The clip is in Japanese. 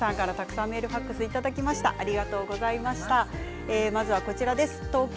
皆さんからたくさんメールファックスいただきました。